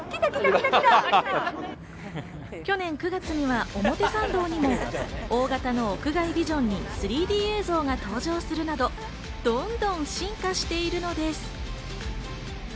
去年９月には表参道にも大型の屋外ビジョンに３Ｄ映像が登場するなど、どんどん進化しているのです。